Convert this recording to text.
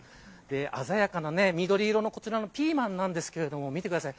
鮮やかな緑色のこちらのピーマンですが見てください。